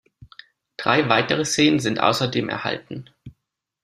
Drei weitere Szenen sind außerdem erhalten.